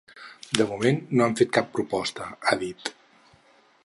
De moment no han fet cap proposta, ha dit.